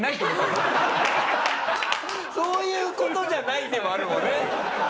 「そういう事じゃない」でもあるもんね。